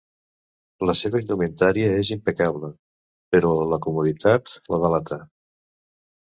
La seva indumentària és impecable, però la comoditat la delata.